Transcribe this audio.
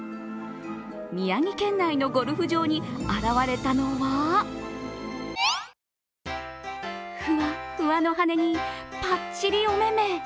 宮城県内のゴルフ場に現れたのはフワッフワの羽にぱっちりおめめ。